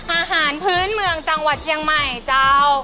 อาหารพื้นเมืองจังหวัดเชียงใหม่เจ้า